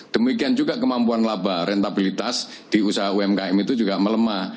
demikian juga kemampuan laba rentabilitas di usaha umkm itu juga melemah